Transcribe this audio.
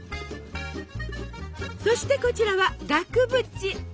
そしてこちらは額縁。